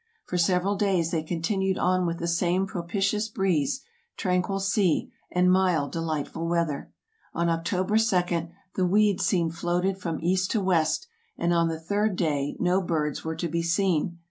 For several days they continued on with the same propitious breeze, tranquil sea, and mild, delightful weather. On October 2, the weeds seen floated from east to west, and on the THE EARLY EXPLORERS 17 third day no birds were to be seen.